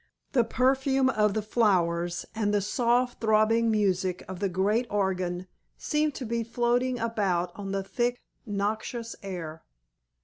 The perfume of the flowers, and the soft throbbing music of the great organ seemed to be floating about on the thick, noxious air.